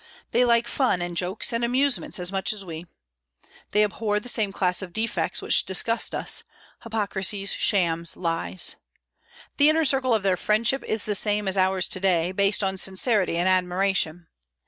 They like fun and jokes and amusement as much as we. They abhor the same class of defects which disgust us, hypocrisies, shams, lies. The inner circle of their friendship is the same as ours to day, based on sincerity and admiration.